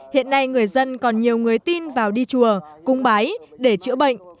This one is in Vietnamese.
hiện nay người dân còn nhiều người tin vào đi chùa cung bái để chữa bệnh